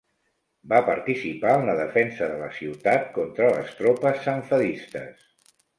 Va participar en la defensa de la ciutat contra les tropes sanfedistes.